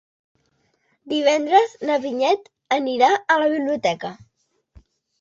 Divendres na Vinyet anirà a la biblioteca.